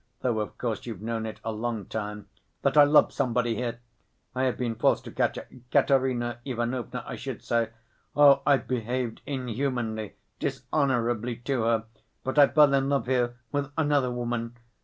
though, of course, you've known it a long time ... that I love somebody here.... I have been false to Katya ... Katerina Ivanovna I should say.... Oh, I've behaved inhumanly, dishonorably to her, but I fell in love here with another woman